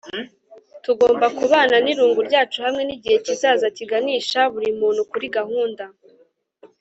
tugomba kubana n'irungu ryacu hamwe nigihe kizaza kiganisha buri muntu kuri gahunda